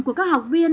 của các học viên